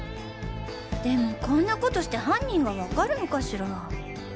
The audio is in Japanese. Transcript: でもこんなことして犯人がわかるのかしら？